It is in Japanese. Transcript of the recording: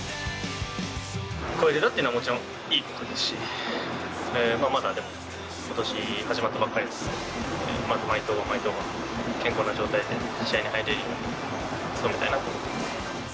超えれたっていうのはもちろんいいことですし、まだでも、ことし始まったばっかりですので、毎登板毎登板、健康な状態で試合に入れるように努めたいなと思ってます。